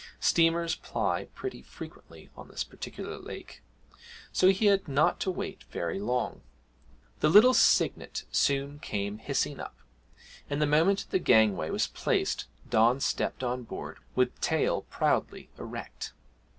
Steamers ply pretty frequently on this particular lake, so he had not to wait very long. The little Cygnet soon came hissing up, and the moment the gangway was placed Don stepped on board, with tail proudly erect.